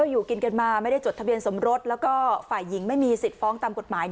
อยู่กินกันมาไม่ได้จดทะเบียนสมรสแล้วก็ฝ่ายหญิงไม่มีสิทธิ์ฟ้องตามกฎหมาย